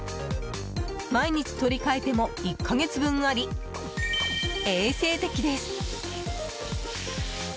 毎日取り替えても１か月分あり、衛生的です。